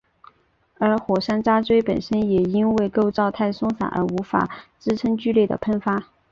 而火山渣锥本身也因为构造太为松散而无法支撑剧烈的喷发。